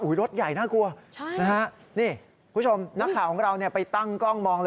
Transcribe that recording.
อุ๊ยรถใหญ่น่ากลัวนะฮะนี่คุณชมนักข่าวของเรานี่ไปตั้งกล้องมองเลย